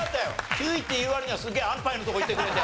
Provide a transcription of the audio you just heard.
９位っていう割にはすげえ安パイなとこいってくれて。